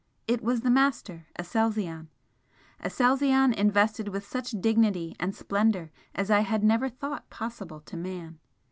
It was the Master, Aselzion, Aselzion invested with such dignity and splendour as I had never thought possible to man.